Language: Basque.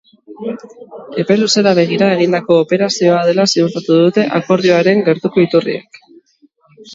Epe luzera begira egindako operazioa dela ziurtatu dute akordioaren gertuko iturriek.